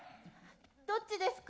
どっちですか？